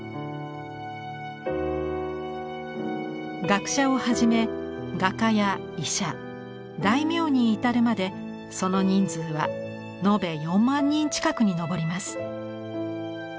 学者をはじめ画家や医者大名に至るまでその人数は延べ４万人近くに上ります。